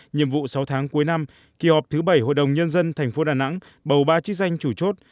nhiệm vụ sáu tháng cuối năm kỳ họp thứ bảy hội đồng nhân dân tp hcm bầu ba chức danh chủ chốt